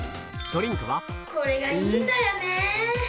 これがいいんだよね！